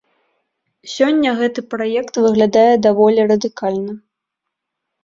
Сёння гэты праект выглядае даволі радыкальна.